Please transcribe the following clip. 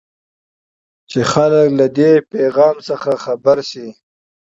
چې خلک له دې پيفام څخه خبر شي.